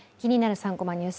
３コマニュース」